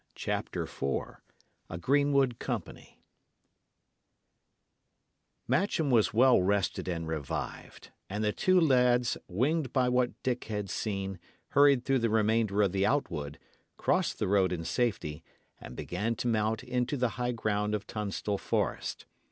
CHAPTER IV A GREENWOOD COMPANY Matcham was well rested and revived; and the two lads, winged by what Dick had seen, hurried through the remainder of the outwood, crossed the road in safety, and began to mount into the high ground of Tunstall Forest.